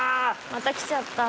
またきちゃった。